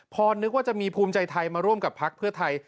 พอนึกว่าจะมีภูมิใจไทยมาร่วมกับพักเพื่อไทย